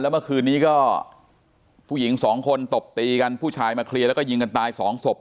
เมื่อคืนนี้ก็ผู้หญิงสองคนตบตีกันผู้ชายมาเคลียร์แล้วก็ยิงกันตายสองศพ